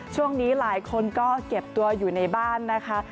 ช่วงนี้หลายคนก็เก็บตัวอยู่ในบ้านนะคะ